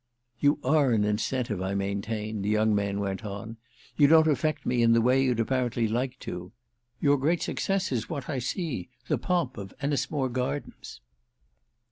"You are an incentive, I maintain," the young man went on. "You don't affect me in the way you'd apparently like to. Your great success is what I see—the pomp of Ennismore Gardens!"